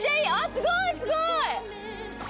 すごいすごい。